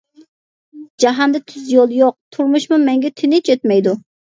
جاھاندا تۈز يول يوق، تۇرمۇشمۇ مەڭگۈ تىنچ ئۆتمەيدۇ.